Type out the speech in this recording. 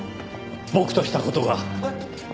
僕とした事が！えっ？